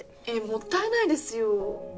もったいないですよ。